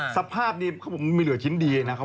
สภาพนี้มีเหลือชิ้นดีนะครับ